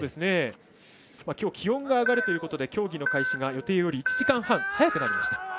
きょう、気温が上がるということで競技の開始が予定より１時間半早くなりました。